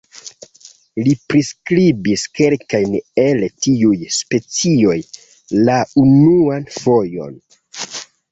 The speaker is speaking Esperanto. Li priskribis kelkajn el tiuj specioj la unuan fojon.